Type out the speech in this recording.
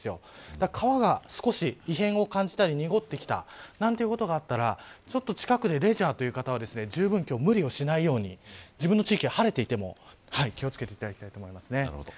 だから川に少し異変を感じたり濁ってきたということがあったら近くでレジャーという方はじゅうぶん、今日は無理をしないように自分の地域が晴れていても気を付けていただきたいと思います。